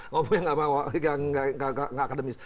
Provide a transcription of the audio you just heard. ngomong yang gak akademis